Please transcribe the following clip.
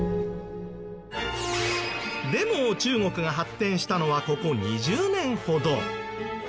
でも中国が発展したのはここ２０年ほど。